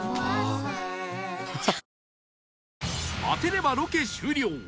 当てればロケ終了